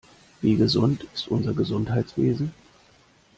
Wie gesund ist unser Gesundheitswesen?